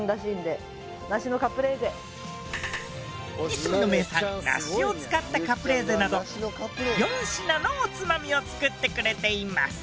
いすみの名産梨を使ったカプレーゼなど４品のおつまみを作ってくれています。